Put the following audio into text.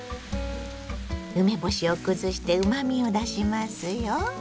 梅干しを崩してうまみを出しますよ。